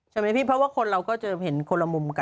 ใช่ไหมพี่เพราะว่าคนเราก็จะเห็นคนละมุมกัน